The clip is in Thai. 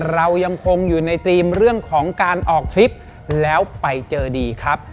เรายังคงอยู่ในธีมเรื่องของการออกทริปแล้วไปเจอดีครับ